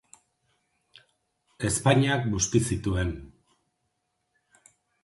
Ezpainak busti zituen.